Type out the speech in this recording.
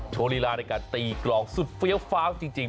โชว์ลีลาในการตีกลองสุดเฟี้ยวฟ้าวจริง